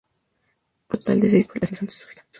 Publicó un total de seis publicaciones durante su vida.